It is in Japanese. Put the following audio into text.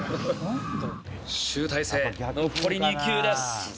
集大成、残り２球です。